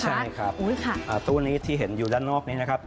ใช่ครับตู้นี้ที่เห็นอยู่ด้านนอกนี้นะครับ